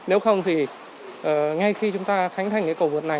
nếu không thì ngay khi chúng ta khánh thành cái cầu vượt này